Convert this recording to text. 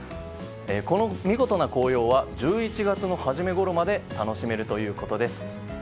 この見事な紅葉は１１月の始めごろまで楽しめるということです。